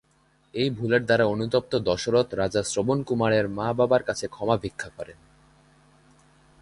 এই ভুলের দ্বারা অনুতপ্ত দশরথ রাজা শ্রবণ কুমারের মা-বাবার কাছে ক্ষমা ভিক্ষা করেন।